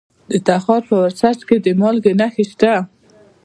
د تخار په ورسج کې د مالګې نښې شته.